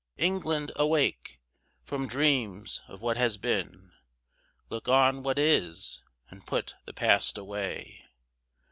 England, awake! from dreams of what has been, Look on what is, and put the past away.